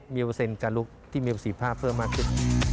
มีเปอร์เซ็นต์การลุกที่มีประสิทธิภาพเพิ่มมากขึ้น